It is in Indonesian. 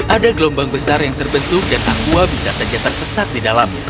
ada gelombang besar yang terbentuk dan angkua bisa saja tersesat di dalamnya